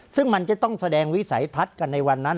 ซึ่งมันจะต้องแสดงวิสัยทัศน์กันในวันนั้น